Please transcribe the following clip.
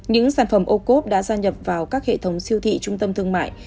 những sản phẩm ô cốp đã gia nhập vào các hệ thống siêu thị trung tâm thương mại